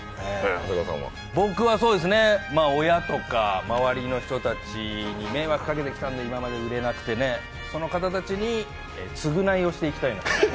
僕は、親とか周りの人たちに迷惑かけてきたんで、今まで売れなくてねその方たちに償いをしていきたいなと。